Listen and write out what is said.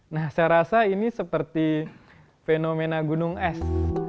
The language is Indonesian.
nah saya rasa ini seperti fenomena gunung es